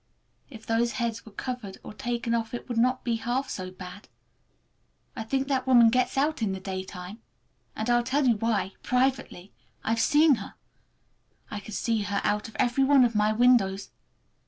If those heads were covered or taken off it would not be half so bad. I think that woman gets out in the daytime! And I'll tell you why—privately—I've seen her! I can see her out of every one of my windows!